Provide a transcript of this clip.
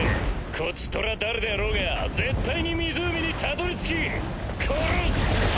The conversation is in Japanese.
こちとら誰であろうが絶対に湖にたどりつき殺す！